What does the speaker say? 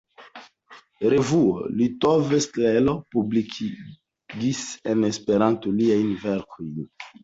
Revuo „Litova Stelo“ publikigis en Esperanto liajn verkojn:.